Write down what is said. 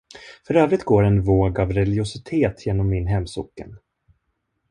För övrigt går en våg av religiositet genom min hemsocken.